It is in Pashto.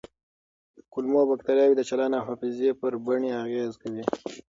کولمو بکتریاوې د چلند او حافظې پر بڼې اغېز کوي.